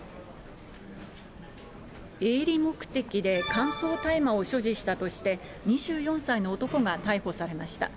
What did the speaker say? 営利目的で乾燥大麻を所持したとして、２４歳の男が逮捕されました。